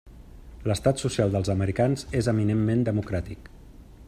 L'estat social dels americans és eminentment democràtic.